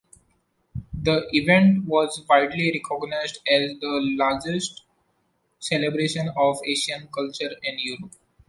The event was widely recognised as the largest celebration of Asian culture in Europe.